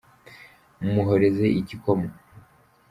muhoreze igikoma.